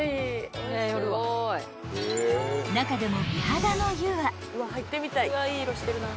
［中でも］